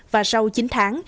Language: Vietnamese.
và sau chín tháng